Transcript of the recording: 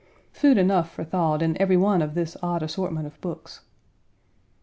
Food enough for thought in every one of this odd assortment of books.